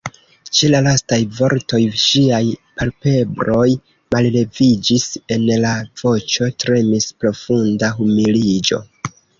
Ĉe la lastaj vortoj ŝiaj palpebroj malleviĝis; en la voĉo tremis profunda humiliĝo.